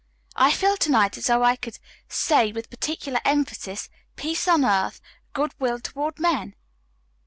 "I feel to night as though I could say with particular emphasis: 'Peace on Earth, Good Will Toward Men.'"